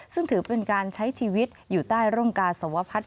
ซึ่งถือเป็นการใช้ชีวิตอยู่ใต้ร่มกาสวพัฒน์